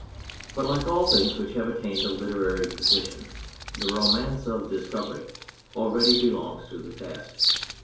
But like all things which have attained a literary position, the Romance of Dis covery already belongs to the past.